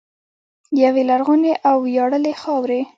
یوې لرغونې او ویاړلې خاورې.